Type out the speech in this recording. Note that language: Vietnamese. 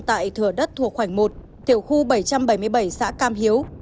tại thừa đất thuộc khoảnh một tiểu khu bảy trăm bảy mươi bảy xã cam hiếu